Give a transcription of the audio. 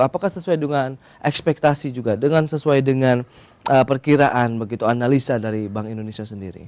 apakah sesuai dengan ekspektasi juga dengan sesuai dengan perkiraan begitu analisa dari bank indonesia sendiri